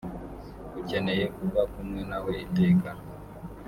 ukeneye kuba kumwe nawe iteka